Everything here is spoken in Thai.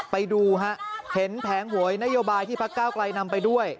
ไปดูฮะเห็นแผงหวยนโยบายที่พักเก้าไกลนำไปด้วย